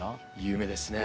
夢ですね。